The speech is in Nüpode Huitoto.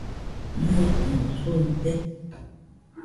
¿Nɨekɨno suite?